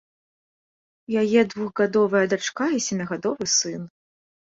У яе двухгадовая дачка і сямігадовы сын.